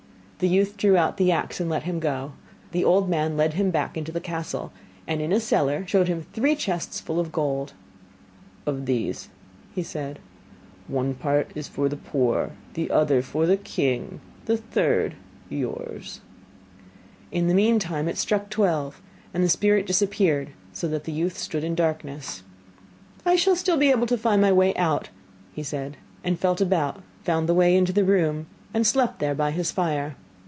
The youth drew out the axe and let him go. The old man led him back into the castle, and in a cellar showed him three chests full of gold. 'Of these,' said he, 'one part is for the poor, the other for the king, the third yours.' In the meantime it struck twelve, and the spirit disappeared, so that the youth stood in darkness. 'I shall still be able to find my way out,' said he, and felt about, found the way into the room, and slept there by his fire.